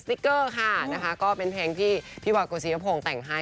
สติกเกอร์ค่ะนะคะก็เป็นเพลงที่พี่วากกสิพรงต่างให้